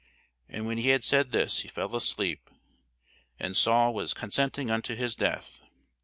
And when he had said this, he fell asleep. And Saul was consenting unto his death.